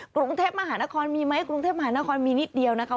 กรุงเทพมหานครมีไหมกรุงเทพมหานครมีนิดเดียวนะคะ